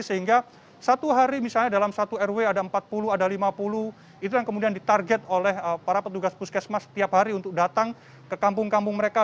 sehingga satu hari misalnya dalam satu rw ada empat puluh ada lima puluh itu yang kemudian ditarget oleh para petugas puskesmas setiap hari untuk datang ke kampung kampung mereka